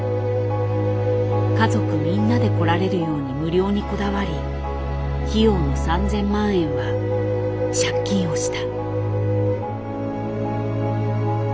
家族みんなで来られるように無料にこだわり費用の３０００万円は借金をした。